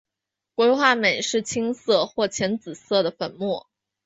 硅化镁是青色或浅紫色的粉末。